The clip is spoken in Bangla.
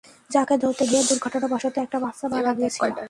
যাকে ধরতে গিয়ে দুর্ঘটনাবশত একটা বাচ্চা মারা গিয়েছিল।